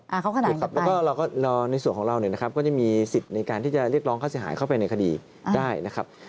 แล้วในส่วนของเราก็จะมีสิทธิ์ในการที่จะเรียกร้องเงินค่าสินหายเข้าไปในคดีได้